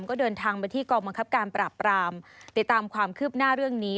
ก็เดินทางไปที่กองบังคับการปราบรามติดตามความคืบหน้าเรื่องนี้